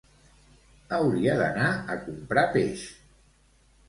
Hauria d'anar a comprar peix